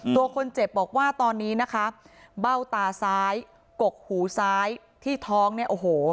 ตัวคนเจ็บบอกว่าตอนนี้นะคะเบ้าตาซ้ายกกหูซ้ายที่ท้องเนี่ยโอ้โห